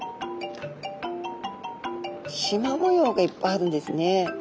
しま模様がいっぱいあるんですね。